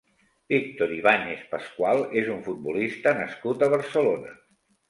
Víctor Ibañez Pascual és un futbolista nascut a Barcelona.